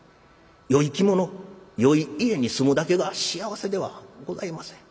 よい着物よい家に住むだけが幸せではございません。